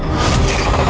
jangan bunuh saya